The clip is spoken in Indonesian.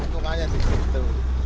tungannya di situ